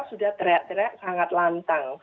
sudah teriak teriak sangat lantang